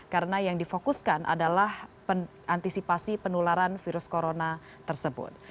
karena yang difokuskan adalah antisipasi penularan virus corona tersebut